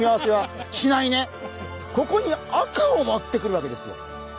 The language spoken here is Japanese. ここに赤を持ってくるわけですよ。